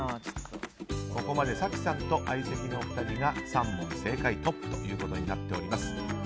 ここまで早紀さんと相席のお二人が３問正解トップとなっております。